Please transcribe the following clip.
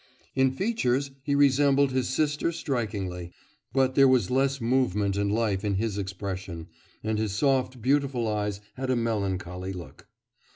In features he resembled his sister strikingly; but there was less movement and life in his expression, and his soft beautiful eyes had a melancholy look.